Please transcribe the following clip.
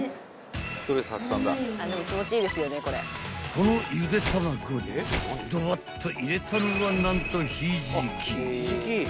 ［このゆで卵にドバッと入れたのは何とひじき］